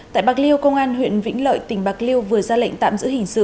tại bạc liêu công an huyện vĩnh lợi tỉnh bạc liêu vừa ra lệnh tạm giữ hình sự